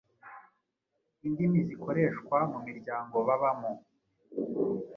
indimi zikoreshwa mu miryango babamo